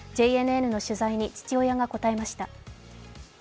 ＪＮＮの取材に父親が答えました。